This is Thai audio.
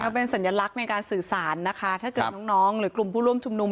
เป็นสัญลักษณ์ในการสื่อสารนะคะถ้าเกิดน้องหรือกลุ่มผู้ร่วมชุมนุม